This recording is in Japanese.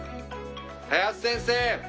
林先生！